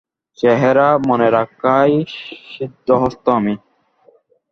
চেহারা মনে রাখায় সিদ্ধহস্ত আমি।